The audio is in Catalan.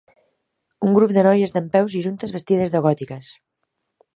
Un grup de noies dempeus i juntes vestides de gòtiques